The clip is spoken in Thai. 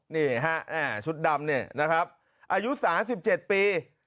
นี่ฮะชุดดำเนี่ยนะครับอายุสามสิบเจ็ดปี